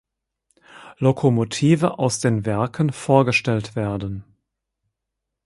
Lokomotive aus den Werken vorgestellt werden.